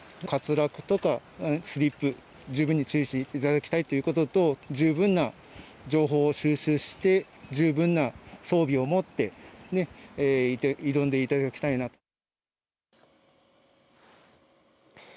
滑落とかスリップ十分に注意していただきたいということと十分な情報を収集して十分な装備をもって挑んでいただきたいなと。